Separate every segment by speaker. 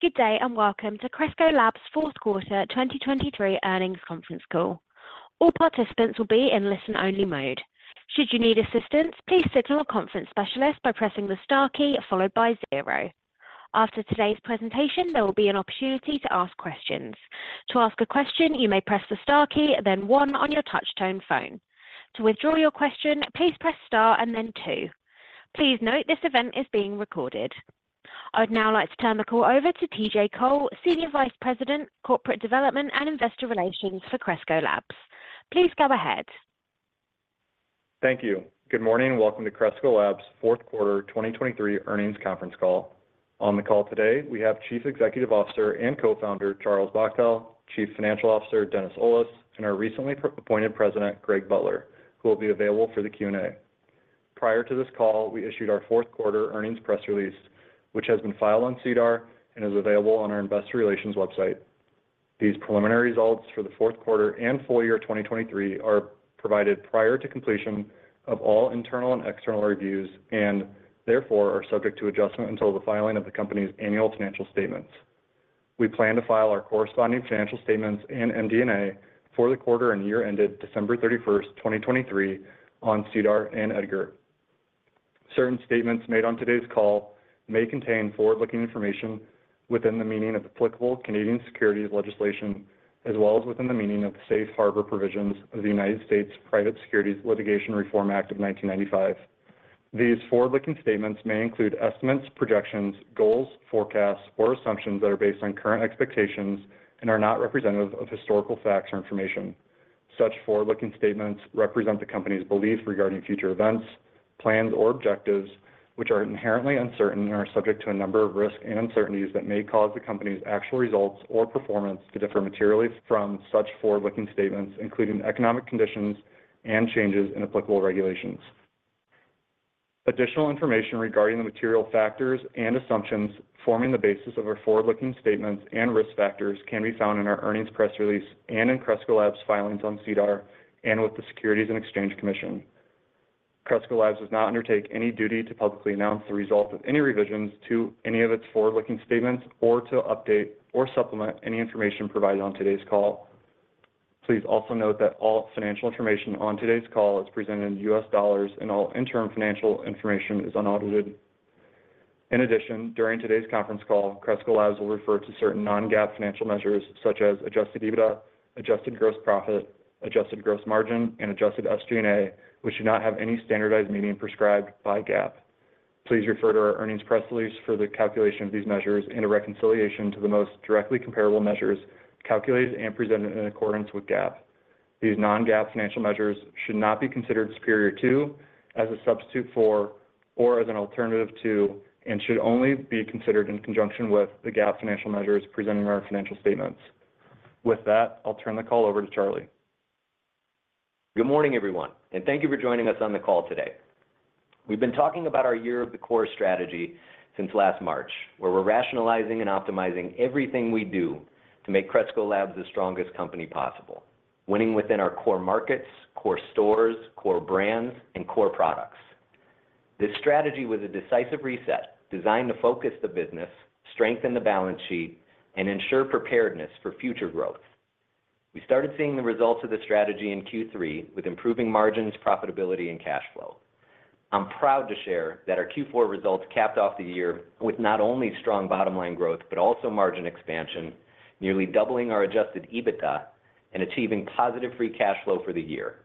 Speaker 1: Good day, and welcome to Cresco Labs' Fourth Quarter 2023 Earnings Conference Call. All participants will be in listen-only mode. Should you need assistance, please signal a conference specialist by pressing the star key followed by zero. After today's presentation, there will be an opportunity to ask questions. To ask a question, you may press the star key, then one on your touchtone phone. To withdraw your question, please press star and then two. Please note, this event is being recorded. I'd now like to turn the call over to T.J. Cole, Senior Vice President, Corporate Development and Investor Relations for Cresco Labs. Please go ahead.
Speaker 2: Thank you. Good morning, and welcome to Cresco Labs' fourth quarter 2023 earnings conference call. On the call today, we have Chief Executive Officer and Co-founder, Charles Bachtell, Chief Financial Officer, Dennis Olis, and our recently appointed President, Greg Butler, who will be available for the Q&A. Prior to this call, we issued our fourth quarter earnings press release, which has been filed on SEDAR and is available on our investor relations website. These preliminary results for the fourth quarter and full year 2023 are provided prior to completion of all internal and external reviews, and therefore are subject to adjustment until the filing of the company's annual financial statements. We plan to file our corresponding financial statements and MD&A for the quarter and year ended December 31, 2023 on SEDAR and EDGAR. Certain statements made on today's call may contain forward-looking information within the meaning of applicable Canadian securities legislation, as well as within the meaning of the safe harbor provisions of the United States Private Securities Litigation Reform Act of 1995. These forward-looking statements may include estimates, projections, goals, forecasts, or assumptions that are based on current expectations and are not representative of historical facts or information. Such forward-looking statements represent the company's beliefs regarding future events, plans, or objectives, which are inherently uncertain and are subject to a number of risks and uncertainties that may cause the company's actual results or performance to differ materially from such forward-looking statements, including economic conditions and changes in applicable regulations. Additional information regarding the material factors and assumptions forming the basis of our forward-looking statements and risk factors can be found in our earnings press release and in Cresco Labs' filings on SEDAR and with the Securities and Exchange Commission. Cresco Labs does not undertake any duty to publicly announce the result of any revisions to any of its forward-looking statements or to update or supplement any information provided on today's call. Please also note that all financial information on today's call is presented in U.S. dollars and all interim financial information is unaudited. In addition, during today's conference call, Cresco Labs will refer to certain non-GAAP financial measures such as adjusted EBITDA, adjusted gross profit, adjusted gross margin, and adjusted SG&A, which do not have any standardized meaning prescribed by GAAP. Please refer to our earnings press release for the calculation of these measures and a reconciliation to the most directly comparable measures calculated and presented in accordance with GAAP. These non-GAAP financial measures should not be considered superior to, as a substitute for, or as an alternative to, and should only be considered in conjunction with the GAAP financial measures presented in our financial statements. With that, I'll turn the call over to Charlie.
Speaker 3: Good morning, everyone, and thank you for joining us on the call today. We've been talking about our Year of the Core strategy since last March, where we're rationalizing and optimizing everything we do to make Cresco Labs the strongest company possible, winning within our core markets, core stores, core brands, and core products. This strategy was a decisive reset designed to focus the business, strengthen the balance sheet, and ensure preparedness for future growth. We started seeing the results of this strategy in Q3 with improving margins, profitability, and cash flow. I'm proud to share that our Q4 results capped off the year with not only strong bottom line growth, but also margin expansion, nearly doubling our Adjusted EBITDA and achieving positive Free Cash Flow for the year.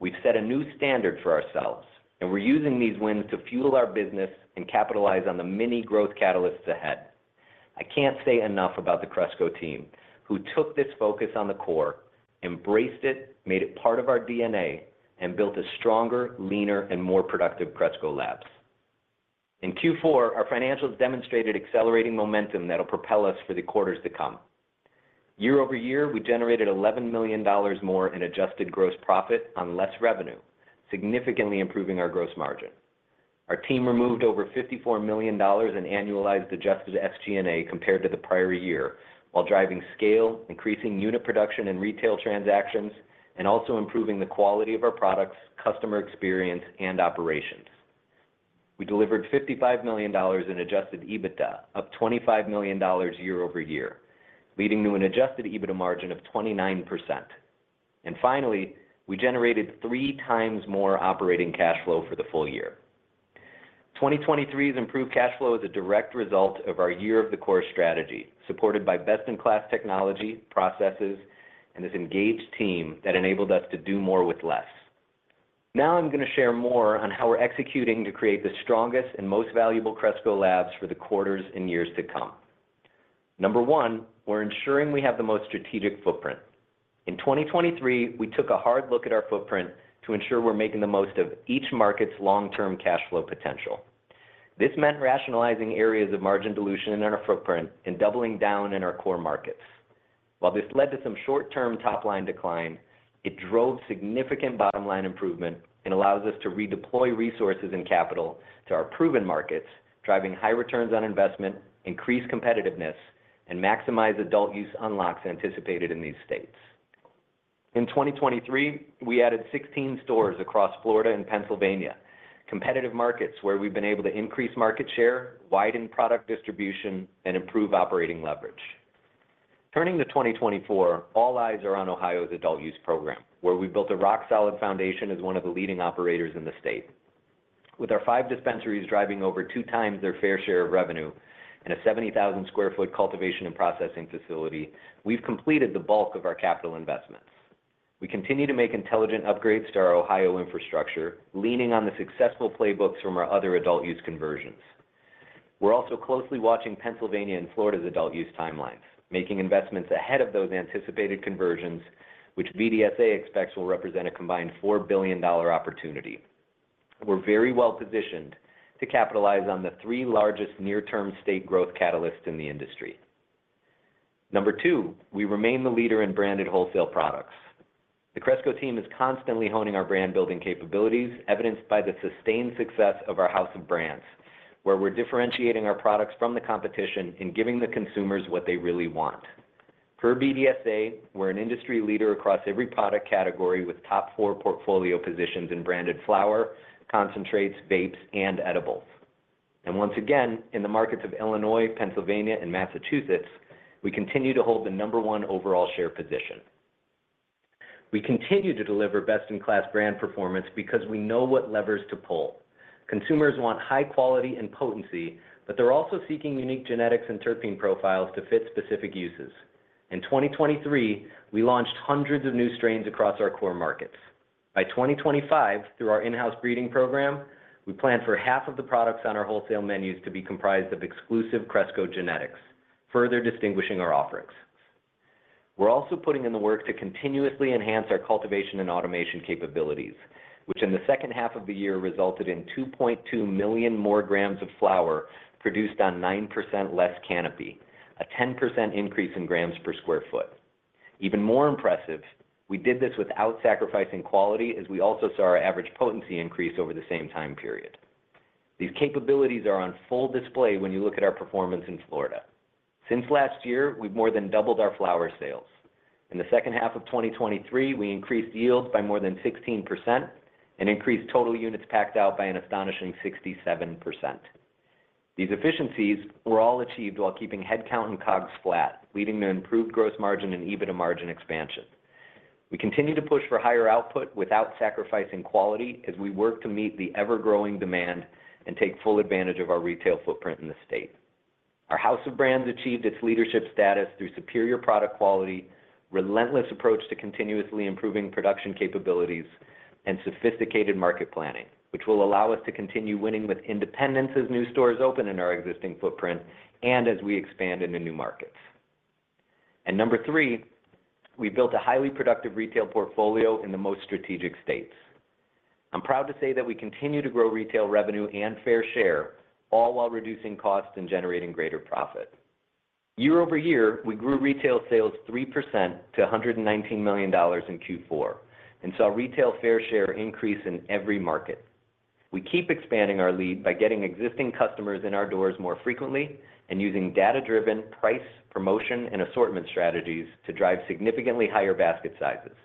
Speaker 3: We've set a new standard for ourselves, and we're using these wins to fuel our business and capitalize on the many growth catalysts ahead. I can't say enough about the Cresco team, who took this focus on the core, embraced it, made it part of our DNA, and built a stronger, leaner, and more productive Cresco Labs. In Q4, our financials demonstrated accelerating momentum that'll propel us for the quarters to come. Year-over-year, we generated $11 million more in adjusted gross profit on less revenue, significantly improving our gross margin. Our team removed over $54 million in annualized adjusted SG&A compared to the prior year, while driving scale, increasing unit production and retail transactions, and also improving the quality of our products, customer experience, and operations. We delivered $55 million in adjusted EBITDA, up $25 million year-over-year, leading to an adjusted EBITDA margin of 29%. And finally, we generated three times more operating cash flow for the full year. 2023's improved cash flow is a direct result of our Year of the Core strategy, supported by best-in-class technology, processes, and this engaged team that enabled us to do more with less. Now, I'm gonna share more on how we're executing to create the strongest and most valuable Cresco Labs for the quarters and years to come. Number 1, we're ensuring we have the most strategic footprint. In 2023, we took a hard look at our footprint to ensure we're making the most of each market's long-term cash flow potential. This meant rationalizing areas of margin dilution in our footprint and doubling down in our core markets. While this led to some short-term top-line decline, it drove significant bottom-line improvement and allows us to redeploy resources and capital to our proven markets, driving high returns on investment, increased competitiveness, and maximize adult use unlocks anticipated in these states. In 2023, we added 16 stores across Florida and Pennsylvania, competitive markets where we've been able to increase market share, widen product distribution, and improve operating leverage. Turning to 2024, all eyes are on Ohio's adult use program, where we've built a rock-solid foundation as one of the leading operators in the state. With our 5 dispensaries driving over 2x their fair share of revenue and a 70,000 sq ft cultivation and processing facility, we've completed the bulk of our capital investments. We continue to make intelligent upgrades to our Ohio infrastructure, leaning on the successful playbooks from our other adult use conversions. We're also closely watching Pennsylvania and Florida's adult use timelines, making investments ahead of those anticipated conversions, which BDSA expects will represent a combined $4 billion opportunity. We're very well-positioned to capitalize on the three largest near-term state growth catalysts in the industry. Number two, we remain the leader in branded wholesale products. The Cresco team is constantly honing our brand-building capabilities, evidenced by the sustained success of our house of brands, where we're differentiating our products from the competition and giving the consumers what they really want. For BDSA, we're an industry leader across every product category, with top four portfolio positions in branded flower, concentrates, vapes, and edibles. And once again, in the markets of Illinois, Pennsylvania, and Massachusetts, we continue to hold the number one overall share position. We continue to deliver best-in-class brand performance because we know what levers to pull. Consumers want high quality and potency, but they're also seeking unique genetics and terpene profiles to fit specific uses. In 2023, we launched hundreds of new strains across our core markets. By 2025, through our in-house breeding program, we plan for half of the products on our wholesale menus to be comprised of exclusive Cresco genetics, further distinguishing our offerings. We're also putting in the work to continuously enhance our cultivation and automation capabilities, which in the second half of the year resulted in 2.2 million more grams of flower produced on 9% less canopy, a 10% increase in grams per sq ft. Even more impressive, we did this without sacrificing quality, as we also saw our average potency increase over the same time period. These capabilities are on full display when you look at our performance in Florida. Since last year, we've more than doubled our flower sales. In the second half of 2023, we increased yields by more than 16% and increased total units packed out by an astonishing 67%. These efficiencies were all achieved while keeping headcount and COGS flat, leading to improved gross margin and EBITDA margin expansion. We continue to push for higher output without sacrificing quality, as we work to meet the ever-growing demand and take full advantage of our retail footprint in the state. Our House of Brands achieved its leadership status through superior product quality, relentless approach to continuously improving production capabilities, and sophisticated market planning, which will allow us to continue winning with independence as new stores open in our existing footprint and as we expand into new markets. And number three, we built a highly productive retail portfolio in the most strategic states. I'm proud to say that we continue to grow retail revenue and Fair Share, all while reducing costs and generating greater profit. Year-over-year, we grew retail sales 3% to $119 million in Q4, and saw retail Fair Share increase in every market. We keep expanding our lead by getting existing customers in our doors more frequently and using data-driven price, promotion, and assortment strategies to drive significantly higher basket sizes.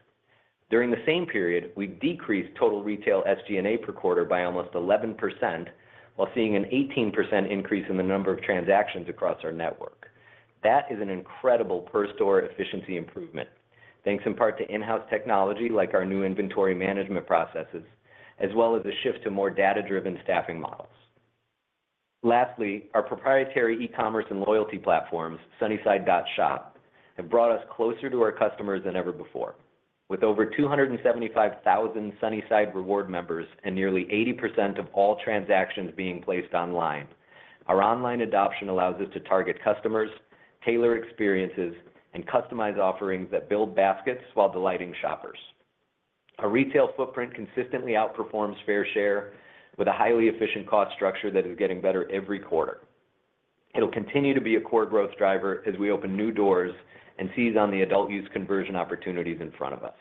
Speaker 3: During the same period, we decreased total retail SG&A per quarter by almost 11%, while seeing an 18% increase in the number of transactions across our network. That is an incredible per-store efficiency improvement, thanks in part to in-house technology like our new inventory management processes, as well as a shift to more data-driven staffing models. Lastly, our proprietary e-commerce and loyalty platforms, Sunnyside.Shop, have brought us closer to our customers than ever before. With over 275,000 Sunnyside reward members and nearly 80% of all transactions being placed online, our online adoption allows us to target customers, tailor experiences, and customize offerings that build baskets while delighting shoppers. Our retail footprint consistently outperforms fair share with a highly efficient cost structure that is getting better every quarter. It'll continue to be a core growth driver as we open new doors and seize on the adult use conversion opportunities in front of us.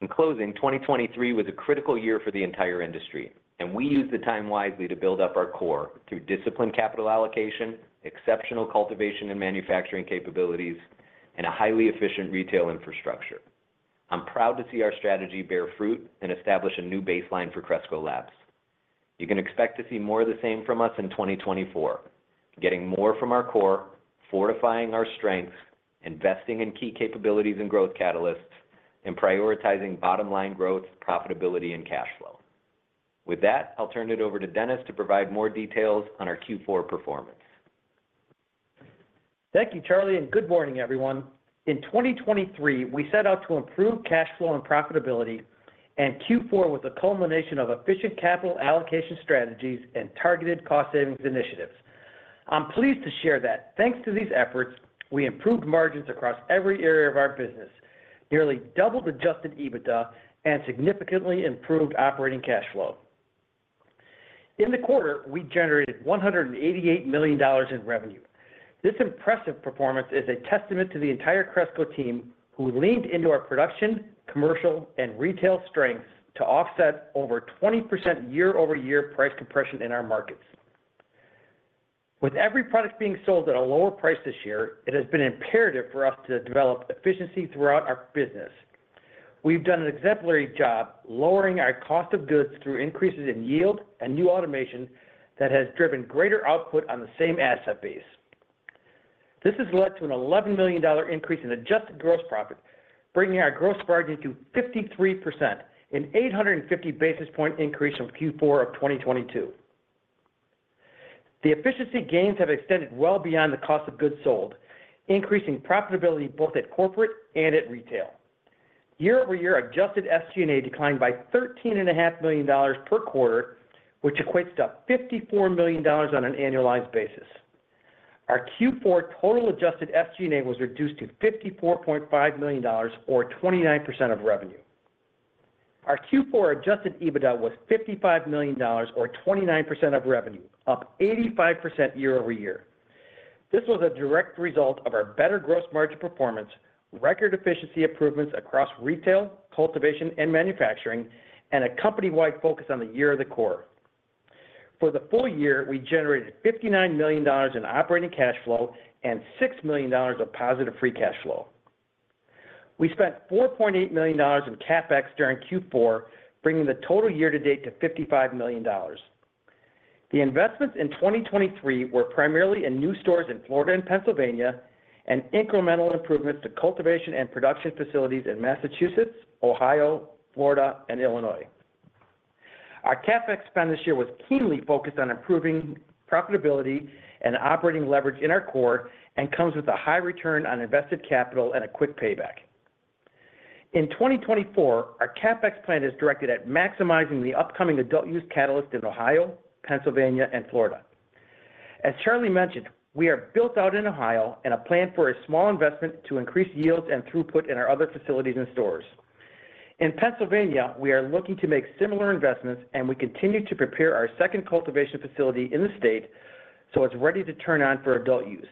Speaker 3: In closing, 2023 was a critical year for the entire industry, and we used the time wisely to build up our core through disciplined capital allocation, exceptional cultivation and manufacturing capabilities, and a highly efficient retail infrastructure. I'm proud to see our strategy bear fruit and establish a new baseline for Cresco Labs. You can expect to see more of the same from us in 2024, getting more from our core, fortifying our strengths, investing in key capabilities and growth catalysts, and prioritizing bottom line growth, profitability, and cash flow. With that, I'll turn it over to Dennis to provide more details on our Q4 performance.
Speaker 4: Thank you, Charlie, and good morning, everyone. In 2023, we set out to improve cash flow and profitability, and Q4 was a culmination of efficient capital allocation strategies and targeted cost savings initiatives. I'm pleased to share that thanks to these efforts, we improved margins across every area of our business, nearly doubled Adjusted EBITDA, and significantly improved operating cash flow. In the quarter, we generated $188 million in revenue. This impressive performance is a testament to the entire Cresco team, who leaned into our production, commercial, and retail strengths to offset over 20% year-over-year price compression in our markets. With every product being sold at a lower price this year, it has been imperative for us to develop efficiency throughout our business. We've done an exemplary job lowering our cost of goods through increases in yield and new automation that has driven greater output on the same asset base. This has led to a $11 million increase in adjusted gross profit, bringing our gross margin to 53%, an 850 basis point increase from Q4 of 2022. The efficiency gains have extended well beyond the cost of goods sold, increasing profitability both at corporate and at retail. Year-over-year, adjusted SG&A declined by $13.5 million per quarter, which equates to $54 million on an annualized basis. Our Q4 total adjusted SG&A was reduced to $54.5 million, or 29% of revenue. Our Q4 adjusted EBITDA was $55 million, or 29% of revenue, up 85% year-over-year. This was a direct result of our better gross margin performance, record efficiency improvements across retail, cultivation, and manufacturing, and a company-wide focus on the Year of the Core. For the full year, we generated $59 million in operating cash flow and $6 million of positive free cash flow. We spent $4.8 million in CapEx during Q4, bringing the total year-to-date to $55 million. The investments in 2023 were primarily in new stores in Florida and Pennsylvania, and incremental improvements to cultivation and production facilities in Massachusetts, Ohio, Florida, and Illinois. Our CapEx spend this year was keenly focused on improving profitability and operating leverage in our core, and comes with a high return on invested capital and a quick payback. In 2024, our CapEx plan is directed at maximizing the upcoming Adult Use catalyst in Ohio, Pennsylvania, and Florida. As Charlie mentioned, we are built out in Ohio and have planned for a small investment to increase yields and throughput in our other facilities and stores. In Pennsylvania, we are looking to make similar investments, and we continue to prepare our second cultivation facility in the state so it's ready to turn on for adult use.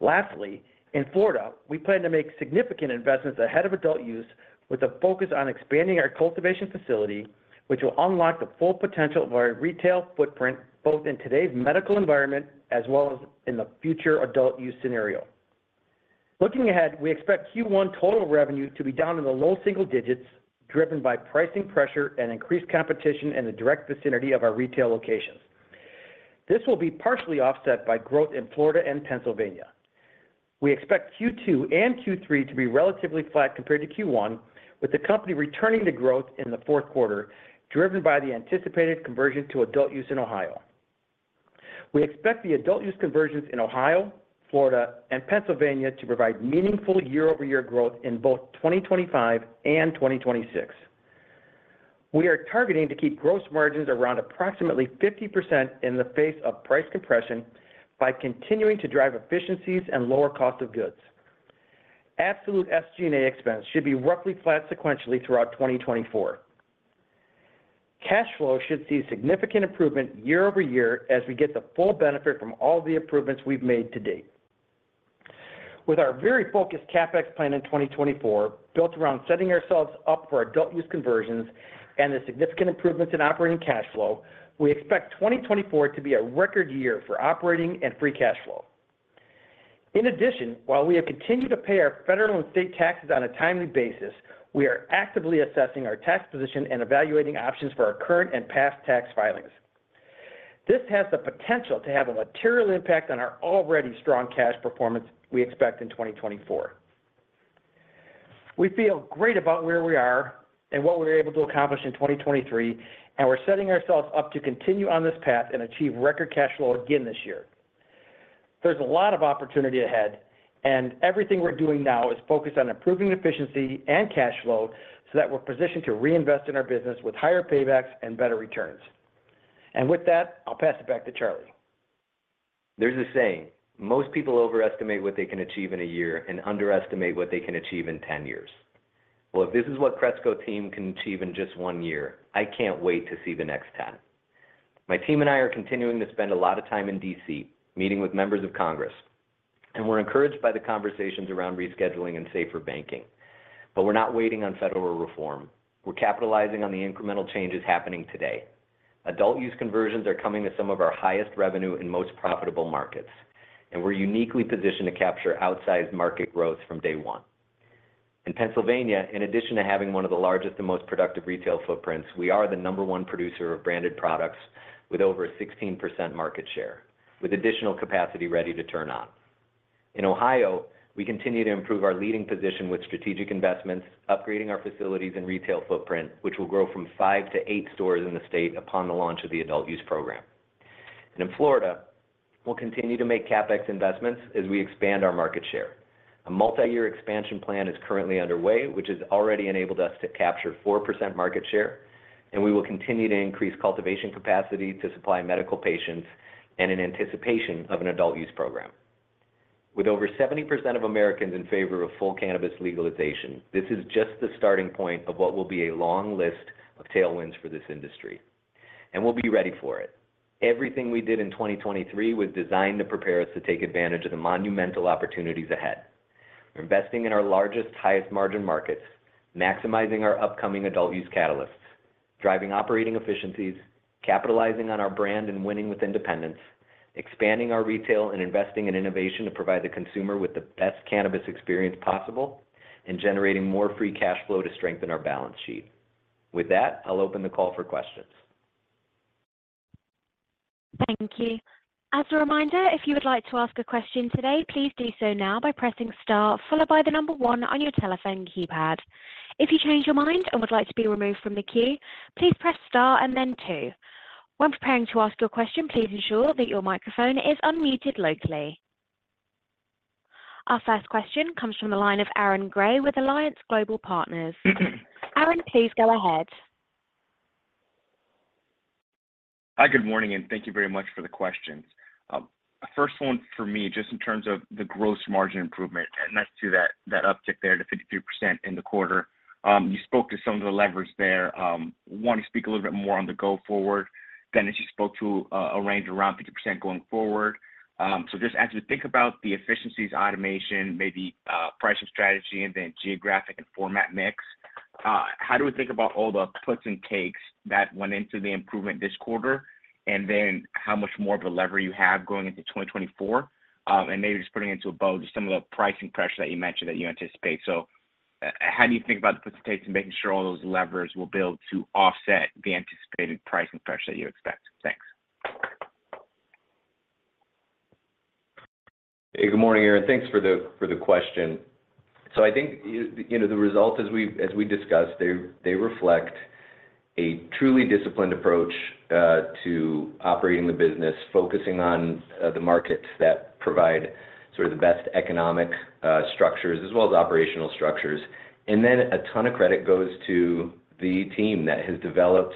Speaker 4: Lastly, in Florida, we plan to make significant investments ahead of adult use, with a focus on expanding our cultivation facility, which will unlock the full potential of our retail footprint, both in today's medical environment as well as in the future adult use scenario. Looking ahead, we expect Q1 total revenue to be down in the low single digits, driven by pricing pressure and increased competition in the direct vicinity of our retail locations. This will be partially offset by growth in Florida and Pennsylvania. We expect Q2 and Q3 to be relatively flat compared to Q1, with the company returning to growth in the fourth quarter, driven by the anticipated conversion to adult use in Ohio. We expect the adult use conversions in Ohio, Florida, and Pennsylvania to provide meaningful year-over-year growth in both 2025 and 2026. We are targeting to keep gross margins around approximately 50% in the face of price compression by continuing to drive efficiencies and lower cost of goods. Absolute SG&A expenses should be roughly flat sequentially throughout 2024. Cash flow should see significant improvement year-over-year as we get the full benefit from all the improvements we've made to date. With our very focused CapEx plan in 2024, built around setting ourselves up for adult use conversions and the significant improvements in operating cash flow, we expect 2024 to be a record year for operating and free cash flow. In addition, while we have continued to pay our federal and state taxes on a timely basis, we are actively assessing our tax position and evaluating options for our current and past tax filings. This has the potential to have a material impact on our already strong cash performance we expect in 2024. We feel great about where we are and what we were able to accomplish in 2023, and we're setting ourselves up to continue on this path and achieve record cash flow again this year. There's a lot of opportunity ahead, and everything we're doing now is focused on improving efficiency and cash flow so that we're positioned to reinvest in our business with higher paybacks and better returns. With that, I'll pass it back to Charlie.
Speaker 3: There's a saying: Most people overestimate what they can achieve in a year and underestimate what they can achieve in 10 years. Well, if this is what Cresco team can achieve in just 1 year, I can't wait to see the next 10. My team and I are continuing to spend a lot of time in D.C., meeting with members of Congress, and we're encouraged by the conversations around rescheduling and safer banking. But we're not waiting on federal reform. We're capitalizing on the incremental changes happening today. Adult Use conversions are coming to some of our highest revenue and most profitable markets, and we're uniquely positioned to capture outsized market growth from day one. In Pennsylvania, in addition to having one of the largest and most productive retail footprints, we are the number one producer of branded products with over 16% market share, with additional capacity ready to turn on. In Ohio, we continue to improve our leading position with strategic investments, upgrading our facilities and retail footprint, which will grow from 5-8 stores in the state upon the launch of the adult use program. In Florida, we'll continue to make CapEx investments as we expand our market share. A multi-year expansion plan is currently underway, which has already enabled us to capture 4% market share, and we will continue to increase cultivation capacity to supply medical patients and in anticipation of an adult use program. With over 70% of Americans in favor of full cannabis legalization, this is just the starting point of what will be a long list of tailwinds for this industry, and we'll be ready for it. Everything we did in 2023 was designed to prepare us to take advantage of the monumental opportunities ahead, investing in our largest, highest margin markets, maximizing our upcoming adult use catalysts, driving operating efficiencies, capitalizing on our brand, and winning with independence, expanding our retail and investing in innovation to provide the consumer with the best cannabis experience possible, and generating more free cash flow to strengthen our balance sheet. With that, I'll open the call for questions.
Speaker 1: Thank you. As a reminder, if you would like to ask a question today, please do so now by pressing Star, followed by the number one on your telephone keypad. If you change your mind and would like to be removed from the queue, please press Star and then two. When preparing to ask your question, please ensure that your microphone is unmuted locally. Our first question comes from the line of Aaron Gray with Alliance Global Partners. Aaron, please go ahead.
Speaker 5: Hi, good morning, and thank you very much for the questions. First one for me, just in terms of the gross margin improvement, and nice to see that uptick there to 53% in the quarter. You spoke to some of the levers there. Want to speak a little bit more on the go-forward? Then as you spoke to, a range around 50 going forward, so just as we think about the efficiencies, automation, maybe pricing strategy and then geographic and format mix, how do we think about all the puts and takes that went into the improvement this quarter, and then how much more of a lever you have going into 2024? And maybe just putting a bow on, just some of the pricing pressure that you mentioned that you anticipate. So, how do you think about the puts and takes and making sure all those levers will build to offset the anticipated pricing pressure that you expect? Thanks.
Speaker 3: Hey, good morning, Aaron. Thanks for the question. So I think, you know, the results as we discussed, they reflect a truly disciplined approach to operating the business, focusing on the markets that provide sort of the best economic structures, as well as operational structures. And then a ton of credit goes to the team that has developed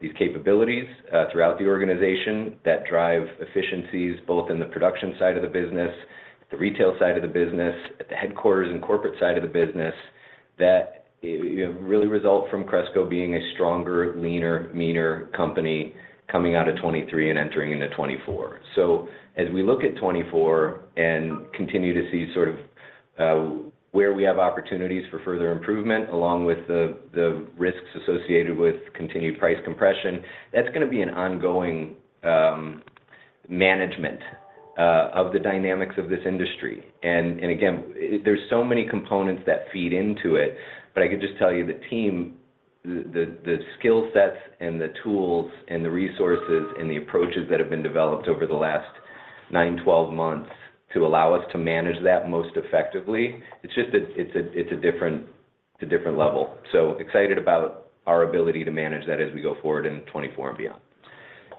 Speaker 3: these capabilities throughout the organization that drive efficiencies, both in the production side of the business, the retail side of the business, at the headquarters and corporate side of the business, that really result from Cresco being a stronger, leaner, meaner company coming out of 2023 and entering into 2024. So as we look at 2024 and continue to see sort of where we have opportunities for further improvement, along with the risks associated with continued price compression, that's gonna be an ongoing management of the dynamics of this industry. And again, there's so many components that feed into it, but I can just tell you, the team, the skill sets and the tools and the resources and the approaches that have been developed over the last nine, 12 months to allow us to manage that most effectively, it's just that it's a different level. So excited about our ability to manage that as we go forward in 2024 and beyond.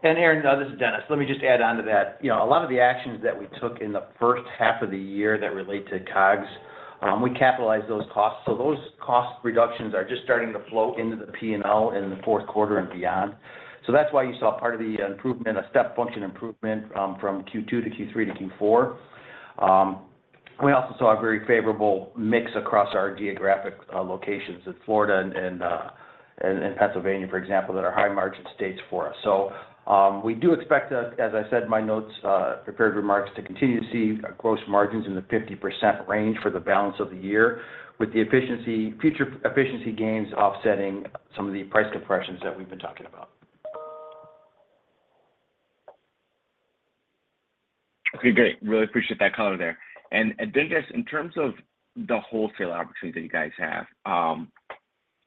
Speaker 4: And Aaron, this is Dennis. Let me just add on to that. You know, a lot of the actions that we took in the first half of the year that relate to COGS, we capitalize those costs. So those cost reductions are just starting to flow into the P&L in the fourth quarter and beyond. So that's why you saw part of the improvement, a step function improvement, from Q2 to Q3 to Q4. We also saw a very favorable mix across our geographic locations in Florida and Pennsylvania, for example, that are high-margin states for us. We do expect us, as I said in my notes, prepared remarks, to continue to see gross margins in the 50% range for the balance of the year, with future efficiency gains offsetting some of the price compressions that we've been talking about.
Speaker 5: Okay, great. Really appreciate that color there. And then, just in terms of the wholesale opportunities that you guys have,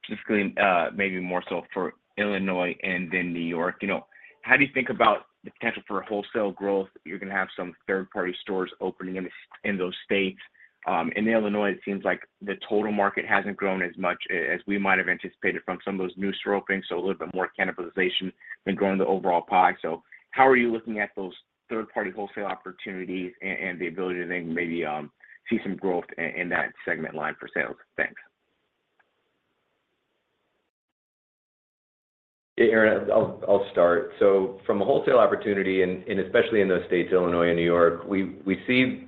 Speaker 5: just going, maybe more so for Illinois and then New York, you know, how do you think about the potential for a wholesale growth? You're gonna have some third-party stores opening in those states. In Illinois, it seems like the total market hasn't grown as much as we might have anticipated from some of those new store openings, so a little bit more cannibalization than growing the overall pie. So how are you looking at those third-party wholesale opportunities and the ability to then maybe see some growth in that segment line for sales? Thanks.
Speaker 3: Hey, Aaron, I'll start. So from a wholesale opportunity, and especially in those states, Illinois and New York, we see.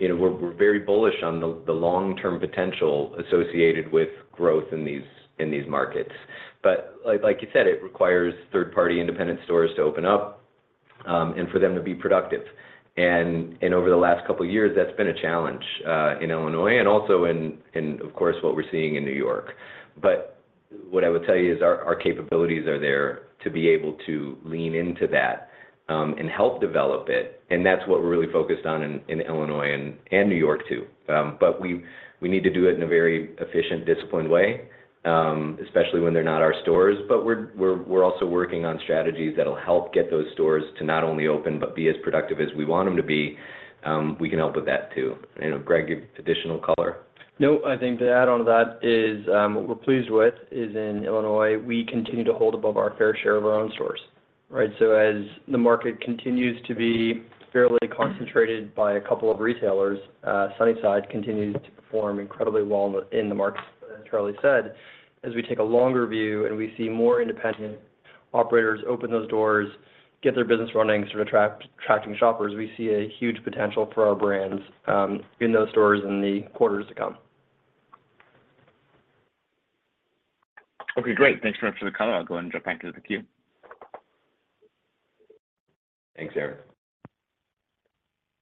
Speaker 3: You know, we're very bullish on the long-term potential associated with growth in these markets. But like you said, it requires third-party independent stores to open up, and for them to be productive. And over the last couple of years, that's been a challenge in Illinois and also, and of course, what we're seeing in New York. But what I would tell you is our capabilities are there to be able to lean into that, and help develop it, and that's what we're really focused on in Illinois and New York, too. But we need to do it in a very efficient, disciplined way, especially when they're not our stores. But we're also working on strategies that will help get those stores to not only open, but be as productive as we want them to be. We can help with that, too. You know, Greg, give additional color.
Speaker 6: No, I think to add on to that is, what we're pleased with is in Illinois, we continue to hold above our fair share of our own stores, right? So as the market continues to be fairly concentrated by a couple of retailers, Sunnyside continues to perform incredibly well in the markets, as Charlie said. As we take a longer view and we see more independent operators open those doors, get their business running, sort of attracting shoppers, we see a huge potential for our brands, in those stores in the quarters to come.
Speaker 5: Okay, great. Thanks very much for the call. I'll go and jump back into the queue.
Speaker 3: Thanks, Eric.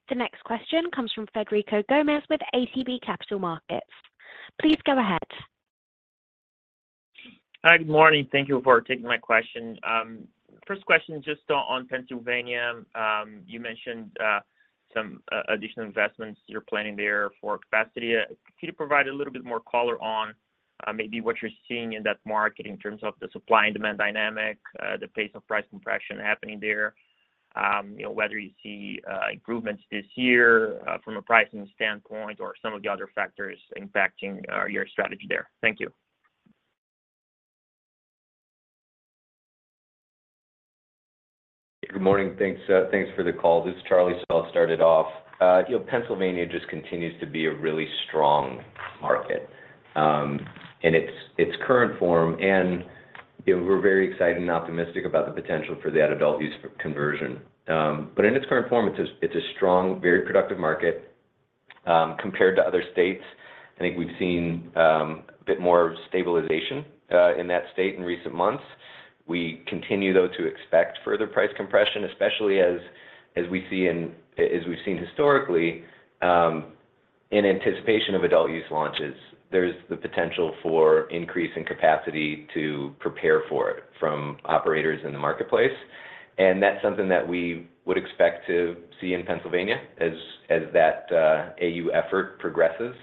Speaker 1: The next question comes from Frederico Gomes with ATB Capital Markets. Please go ahead.
Speaker 7: Hi, good morning. Thank you for taking my question. First question, just on Pennsylvania. You mentioned some additional investments you're planning there for capacity. Can you provide a little bit more color on maybe what you're seeing in that market in terms of the supply and demand dynamic, the pace of price compression happening there? You know, whether you see improvements this year from a pricing standpoint or some of the other factors impacting your strategy there. Thank you.
Speaker 3: Good morning. Thanks for the call. This is Charlie Bachtell starting off. You know, Pennsylvania just continues to be a really strong market, in its current form, and, you know, we're very excited and optimistic about the potential for that adult use conversion. But in its current form, it's a strong, very productive market, compared to other states. I think we've seen a bit more stabilization in that state in recent months. We continue, though, to expect further price compression, especially as we've seen historically, in anticipation of adult use launches. There's the potential for increase in capacity to prepare for it from operators in the marketplace, and that's something that we would expect to see in Pennsylvania as that AU effort progresses.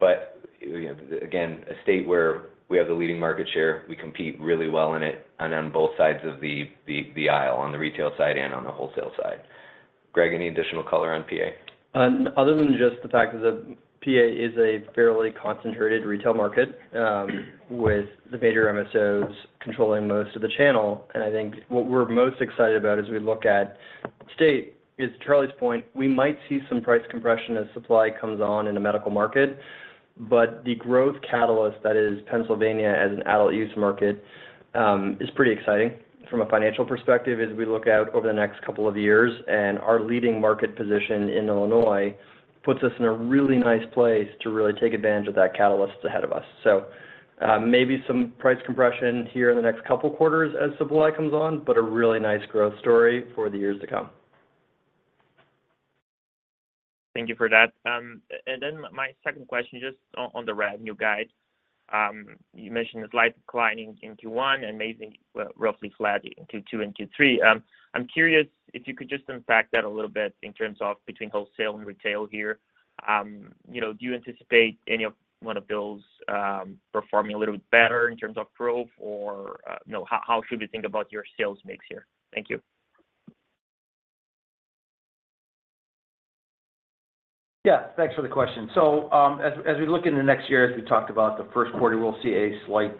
Speaker 3: But, you know, again, a state where we have the leading market share, we compete really well in it and on both sides of the aisle, on the retail side and on the wholesale side. Greg, any additional color on PA?
Speaker 6: Other than just the fact that the PA is a fairly concentrated retail market, with the major MSOs controlling most of the channel, and I think what we're most excited about as we look at the state is, Charlie's point, we might see some price compression as supply comes on in the medical market, but the growth catalyst that is Pennsylvania as an adult use market, is pretty exciting from a financial perspective as we look out over the next couple of years. Our leading market position in Illinois puts us in a really nice place to really take advantage of that catalyst ahead of us. Maybe some price compression here in the next couple of quarters as supply comes on, but a really nice growth story for the years to come.
Speaker 7: Thank you for that. Then my second question, just on the revenue guide. You mentioned a slight declining in Q1 and amazing, well, roughly flat in Q2 and Q3. I'm curious if you could just unpack that a little bit in terms of between wholesale and retail here. You know, do you anticipate any of one of those performing a little bit better in terms of growth? Or, you know, how should we think about your sales mix here? Thank you.
Speaker 4: Yeah. Thanks for the question. So, as we look in the next year, as we talked about the first quarter, we'll see a slight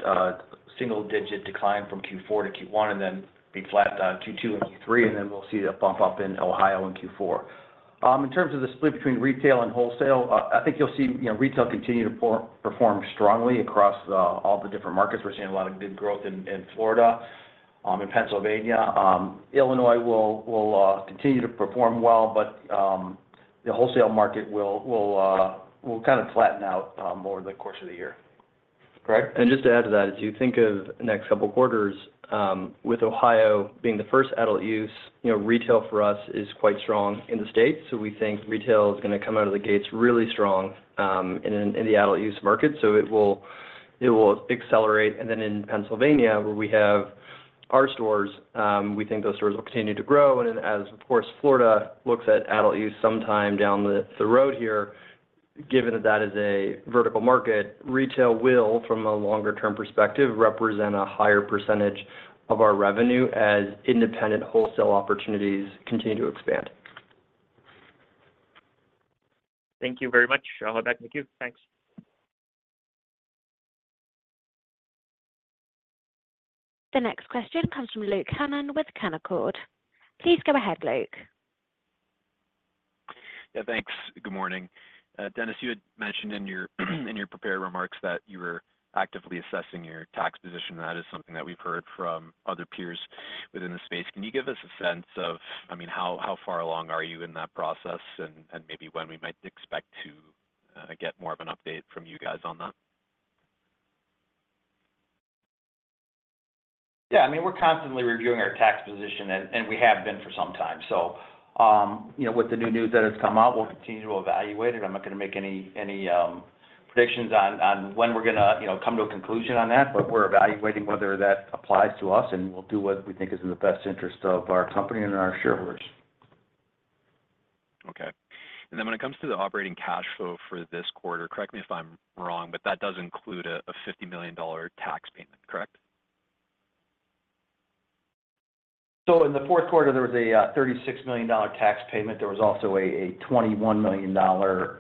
Speaker 4: single-digit decline from Q4 to Q1, and then be flat on Q2 and Q3, and then we'll see a bump up in Ohio in Q4. In terms of the split between retail and wholesale, I think you'll see, you know, retail continue to perform strongly across all the different markets. We're seeing a lot of good growth in Florida, in Pennsylvania. Illinois will continue to perform well, but the wholesale market will kind of flatten out over the course of the year. Greg?
Speaker 6: And just to add to that, as you think of the next couple of quarters, with Ohio being the first adult use, you know, retail for us is quite strong in the state, so we think retail is gonna come out of the gates really strong, in the adult use market. So it will, it will accelerate. And then in Pennsylvania, where we have our stores, we think those stores will continue to grow. And as, of course, Florida looks at adult use sometime down the road here, given that that is a vertical market, retail will, from a longer term perspective, represent a higher percentage of our revenue as independent wholesale opportunities continue to expand.
Speaker 7: Thank you very much. I'll head back to the queue. Thanks.
Speaker 1: The next question comes from Luke Hannan with Canaccord. Please go ahead, Luke.
Speaker 8: Yeah, thanks. Good morning. Dennis, you had mentioned in your, in your prepared remarks that you were actively assessing your tax position, and that is something that we've heard from other peers within the space. Can you give us a sense of, I mean, how, how far along are you in that process and, and maybe when we might expect to get more of an update from you guys on that?
Speaker 4: Yeah, I mean, we're constantly reviewing our tax position, and we have been for some time. So, you know, with the new news that has come out, we'll continue to evaluate it. I'm not gonna make any predictions on when we're gonna, you know, come to a conclusion on that, but we're evaluating whether that applies to us, and we'll do what we think is in the best interest of our company and our shareholders.
Speaker 8: Okay. And then when it comes to the operating cash flow for this quarter, correct me if I'm wrong, but that does include a $50 million tax payment, correct?
Speaker 4: So in the fourth quarter, there was a $36 million tax payment. There was also a $21 million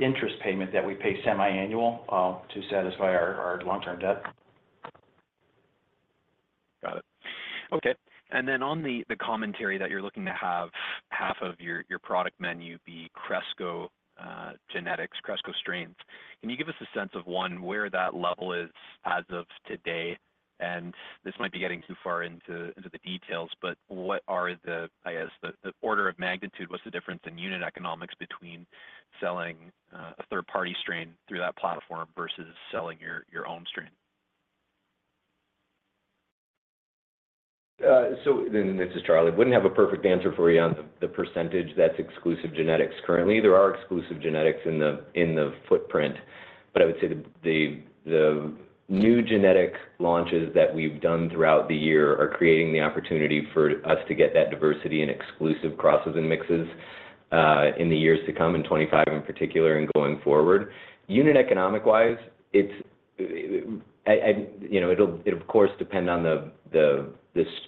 Speaker 4: interest payment that we pay semiannual to satisfy our long-term debt.
Speaker 8: Got it. Okay, and then on the commentary that you're looking to have half of your product menu be Cresco genetics, Cresco strains, can you give us a sense of, one, where that level is as of today? And this might be getting too far into the details, but what are the, I guess, the order of magnitude, what's the difference in unit economics between selling a third-party strain through that platform versus selling your own strain?
Speaker 3: So this is Charlie. I wouldn't have a perfect answer for you on the percentage that's exclusive genetics currently. There are exclusive genetics in the footprint, but I would say the new genetic launches that we've done throughout the year are creating the opportunity for us to get that diversity in exclusive crosses and mixes in the years to come, in 25 in particular, and going forward. Unit economic wise, it's, you know, it'll, it of course depend on the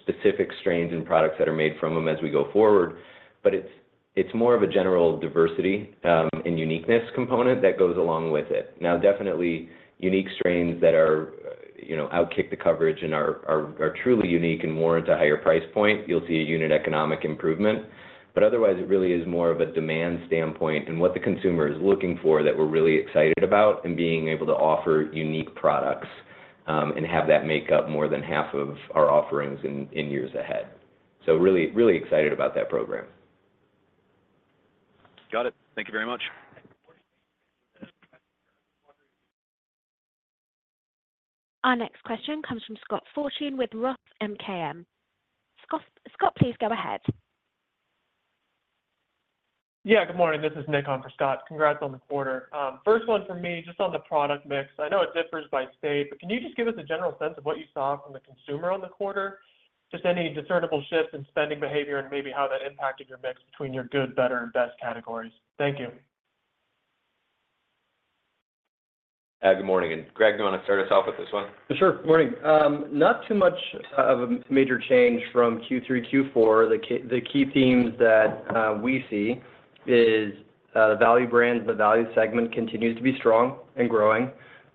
Speaker 3: specific strains and products that are made from them as we go forward, but it's more of a general diversity and uniqueness component that goes along with it. Now, definitely unique strains that are, you know, outkick the coverage and are truly unique and more into a higher price point, you'll see a unit economic improvement. Otherwise, it really is more of a demand standpoint and what the consumer is looking for that we're really excited about, and being able to offer unique products and have that make up more than half of our offerings in years ahead. So really, really excited about that program.
Speaker 8: Got it. Thank you very much.
Speaker 1: Our next question comes from Scott Fortune with Roth MKM. Scott, Scott, please go ahead.
Speaker 9: Yeah, good morning. This is Nick on for Scott. Congrats on the quarter. First one for me, just on the product mix. I know it differs by state, but can you just give us a general sense of what you saw from the consumer on the quarter? Just any discernible shifts in spending behavior and maybe how that impacted your mix between your good, better, and best categories. Thank you.
Speaker 3: Good morning, and Greg, do you want to start us off with this one?
Speaker 6: Sure. Morning. Not too much of a major change from Q3, Q4. The key, the key themes that we see is the value brand, the value segment continues to be strong and growing.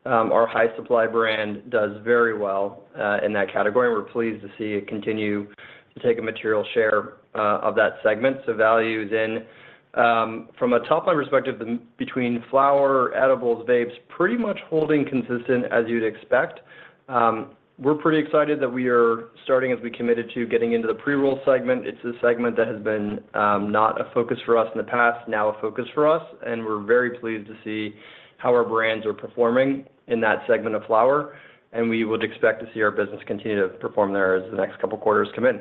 Speaker 6: Our High Supply brand does very well in that category, and we're pleased to see it continue to take a material share of that segment. So value then, from a top-line perspective, between flower, edibles, vapes, pretty much holding consistent as you'd expect. We're pretty excited that we are starting, as we committed to, getting into the pre-roll segment. It's a segment that has been, not a focus for us in the past, now a focus for us, and we're very pleased to see how our brands are performing in that segment of flower, and we would expect to see our business continue to perform there as the next couple quarters come in.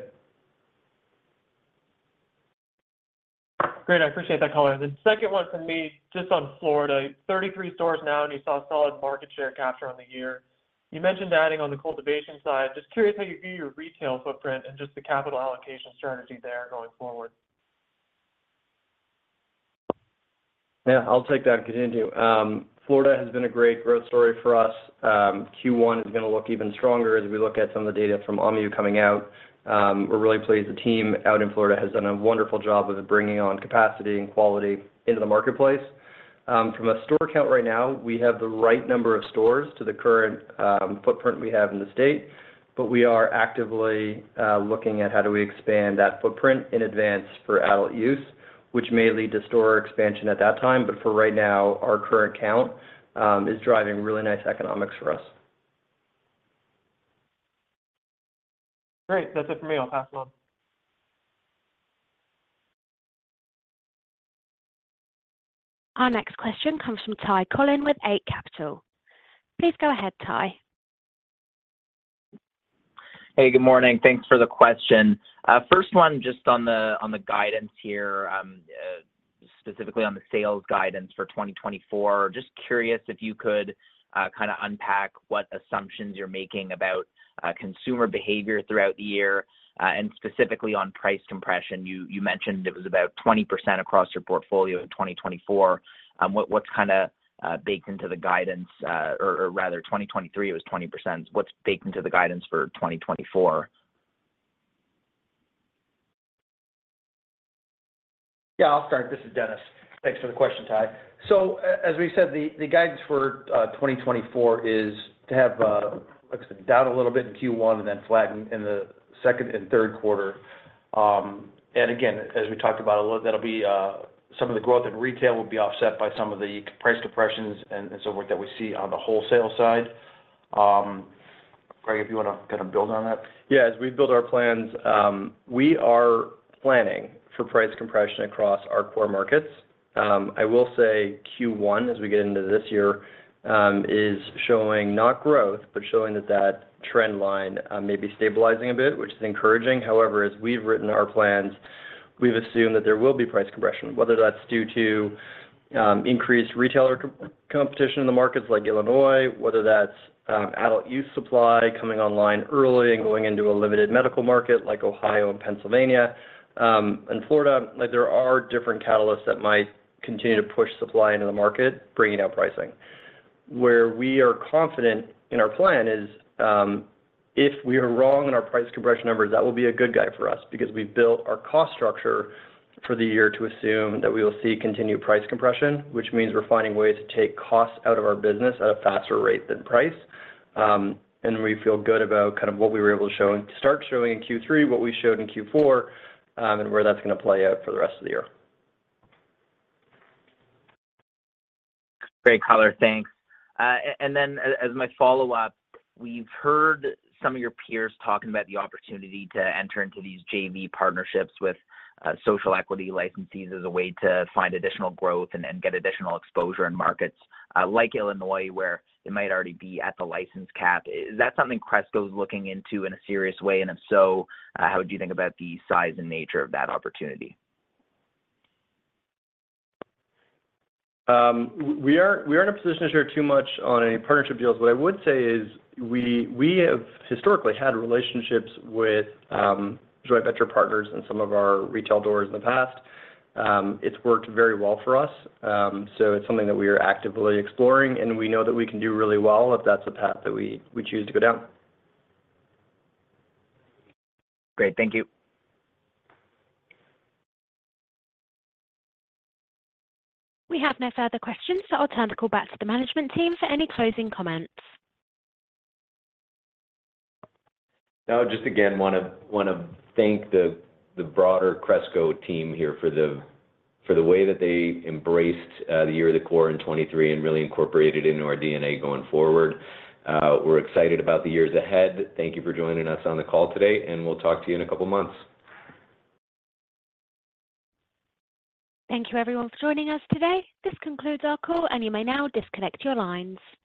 Speaker 9: Great, I appreciate that color. The second one for me, just on Florida. 33 stores now, and you saw solid market share capture on the year. You mentioned adding on the cultivation side. Just curious how you view your retail footprint and just the capital allocation strategy there going forward.
Speaker 6: Yeah, I'll take that and get into it. Florida has been a great growth story for us. Q1 is gonna look even stronger as we look at some of the data from OMMU coming out. We're really pleased. The team out in Florida has done a wonderful job of bringing on capacity and quality into the marketplace. From a store count right now, we have the right number of stores to the current footprint we have in the state, but we are actively looking at how do we expand that footprint in advance for adult use, which may lead to store expansion at that time. But for right now, our current count is driving really nice economics for us.
Speaker 9: Great, that's it for me. I'll pass it on.
Speaker 1: Our next question comes from Ty Collin with Eight Capital. Please go ahead, Ty.
Speaker 10: Hey, good morning. Thanks for the question. First one, just on the, on the guidance here, specifically on the sales guidance for 2024. Just curious if you could, kinda unpack what assumptions you're making about, consumer behavior throughout the year, and specifically on price compression. You, you mentioned it was about 20% across your portfolio in 2024. What, what's kinda, baked into the guidance, or, or rather, 2023, it was 20%. What's baked into the guidance for 2024?
Speaker 4: Yeah, I'll start. This is Dennis. Thanks for the question, Ty. So as we said, the guidance for 2024 is to have down a little bit in Q1 and then flatten in the second and third quarter. And again, as we talked about, a little, that'll be some of the growth in retail will be offset by some of the price depressions and so forth that we see on the wholesale side. Greg, if you wanna kind of build on that?
Speaker 6: Yeah, as we build our plans, we are planning for price compression across our core markets. I will say Q1, as we get into this year, is showing not growth, but showing that that trend line may be stabilizing a bit, which is encouraging. However, as we've written in our plans, we've assumed that there will be price compression, whether that's due to increased retailer competition in the markets like Illinois, whether that's adult use supply coming online early and going into a limited medical market like Ohio and Pennsylvania, and Florida. Like, there are different catalysts that might continue to push supply into the market, bringing down pricing. Where we are confident in our plan is, if we are wrong in our price compression numbers, that will be a good guide for us because we've built our cost structure for the year to assume that we will see continued price compression, which means we're finding ways to take costs out of our business at a faster rate than price. We feel good about kind of what we were able to show, start showing in Q3, what we showed in Q4, and where that's gonna play out for the rest of the year.
Speaker 10: Great color, thanks. As my follow-up, we've heard some of your peers talking about the opportunity to enter into these JV partnerships with social equity licensees as a way to find additional growth and get additional exposure in markets like Illinois, where it might already be at the license cap. Is that something Cresco is looking into in a serious way? And if so, how do you think about the size and nature of that opportunity?
Speaker 6: We are in a position to share too much on any partnership deals. What I would say is we have historically had relationships with joint venture partners in some of our retail doors in the past. It's worked very well for us, so it's something that we are actively exploring, and we know that we can do really well if that's a path that we choose to go down.
Speaker 10: Great. Thank you.
Speaker 1: We have no further questions, so I'll turn the call back to the management team for any closing comments.
Speaker 3: I just again wanna thank the broader Cresco team here for the way that they embraced the Year of the Core in 2023 and really incorporated into our DNA going forward. We're excited about the years ahead. Thank you for joining us on the call today, and we'll talk to you in a couple of months.
Speaker 1: Thank you everyone for joining us today. This concludes our call, and you may now disconnect your lines.